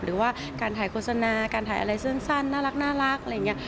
หรือว่าการถ่ายโฆษณาการถ่ายอะไรสั้นน่ารักอะไรอย่างนี้